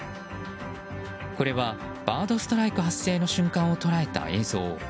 これはバードストライク発生の瞬間を捉えた映像。